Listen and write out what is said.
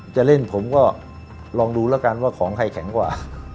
จะเล่นผมก็ลองดูแล้วกันว่าของใครแข็งกว่า